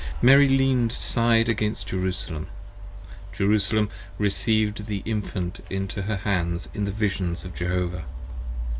Mary leaned her side against Jerusalem, Jerusalem recieved The Infant into her hands in the Visions of Jehovah.